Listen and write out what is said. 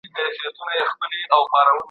نن چې ځینې خلک پښتو سخته، بېګټې او ناسمه بولي،